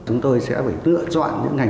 chúng tôi sẽ phải tựa chọn những ngành